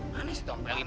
maneh sih dombel ini